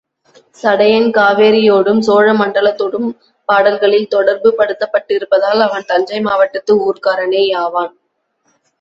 சடையன் காவிரியோடும் சோழ மண்டலத்தோடும் பாடல்களில் தொடர்பு படுத்தப்பட்டிருப்பதால், அவன் தஞ்சை மாவட்டத்து ஊர்க்காரனே யாவான்.